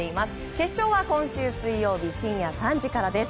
決勝は今週水曜日深夜３時からです。